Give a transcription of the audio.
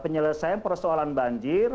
penyelesaian persoalan banjir